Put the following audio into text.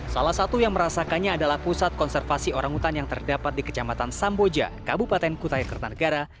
salah satu yang merasakannya adalah pusat konservasi orangutan yang terdapat di kecamatan samboja kabupaten kutai kertanegara